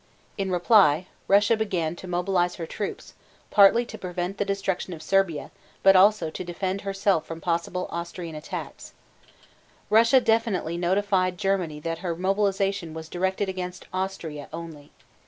In reply Russia began to mobilize her troops, partly to prevent the destruction of Serbia, but also to defend herself from possible Austrian attacks. Russia definitely notified Germany that her mobilization was directed against Austria only.